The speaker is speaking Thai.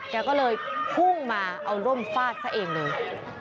แกก็เลยพุ่งมาเอาร่มฟาดซะเองเลย